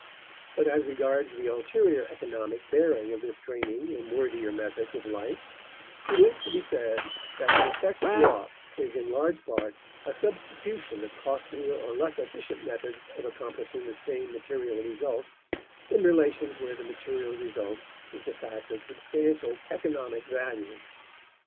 But as regards the ulterior economic bearing of this training in worthier methods of life, it is to be said that the effect wrought is in large part a substitution of costlier or less efficient methods of accomplishing the same material results, in relations where the material result is the fact of substantial economic value.